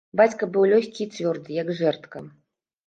Бацька быў лёгкі і цвёрды, як жэрдка.